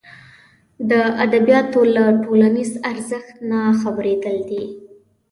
د ادبیاتو له ټولنیز ارزښت نه خبرېدل دي.